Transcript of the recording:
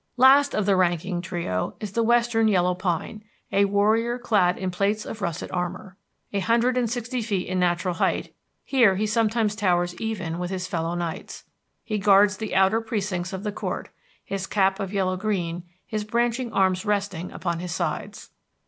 Last of the ranking trio is the western yellow pine, a warrior clad in plates of russet armor. A hundred and sixty feet in natural height, here he sometimes towers even with his fellow knights. He guards the outer precincts of the court, his cap of yellow green, his branching arms resting upon his sides.